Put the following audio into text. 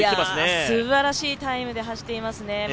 すばらしいタイムで走っていますね。